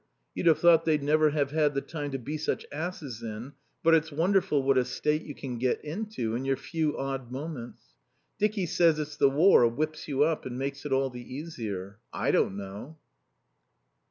You'd have thought they'd never have had the time to be such asses in, but it's wonderful what a state you can get into in your few odd moments. Dicky says it's the War whips you up and makes it all the easier. I don't know....